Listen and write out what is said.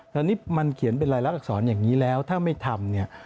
ตอนนี้มันเขียนเป็นรายลักษรอย่างนี้แล้วถ้าไม่ทำเนี่ย